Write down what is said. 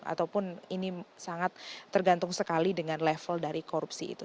ataupun ini sangat tergantung sekali dengan level dari korupsi itu